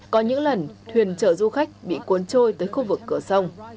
có những lần thuyền chở du khách bị cuốn trôi tới khu vực cửa sông